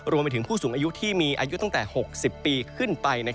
รวมไปถึงผู้สูงอายุที่มีอายุตั้งแต่๖๐ปีขึ้นไป